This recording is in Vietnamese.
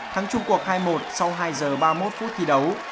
thắng chung cuộc hai một sau hai h ba mươi một phút thi đấu